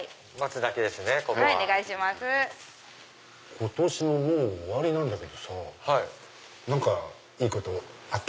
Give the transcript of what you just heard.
今年ももう終わりなんだけどさ何かいいことあった？